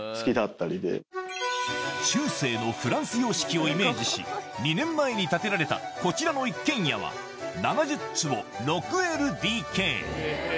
え！をイメージし２年前に建てられたこちらの一軒家は７０坪６ＬＤＫ